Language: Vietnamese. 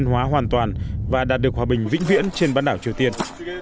chúng tôi đã đạt được hòa bình hoàn toàn và đạt được hòa bình vĩnh viễn trên bán đảo triều tiên